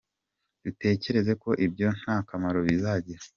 Dutekereza ko ibyo nta kamaro bizagira.